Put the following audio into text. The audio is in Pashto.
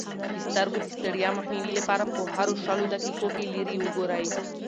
د سترګو د ستړیا مخنیوي لپاره په هرو شلو دقیقو کې لیرې وګورئ.